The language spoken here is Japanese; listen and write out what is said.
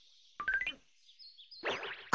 あ。